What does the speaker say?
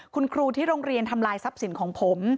คุณครูที่โรงเรียนทำลายทรัพย์สินของผม